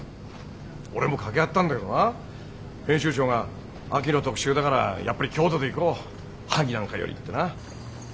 俺も掛け合ったんだけどな編集長が「秋の特集だからやっぱり京都でいこう萩なんかより」ってな。